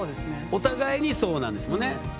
お互いにそうなんですもんね。